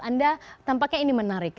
anda tampaknya ini menarik